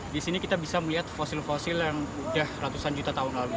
di sini kita bisa melihat fosil fosil yang sudah ratusan juta tahun lalu